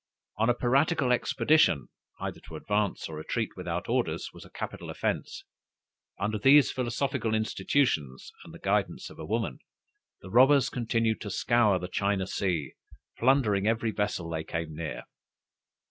On a piratical expedition, either to advance or retreat without orders, was a capital offence. Under these philosophical institutions, and the guidance of a woman, the robbers continued to scour the China sea, plundering every vessel they came near.